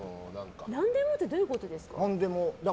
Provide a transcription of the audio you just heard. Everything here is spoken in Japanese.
何でもってどういうことですか？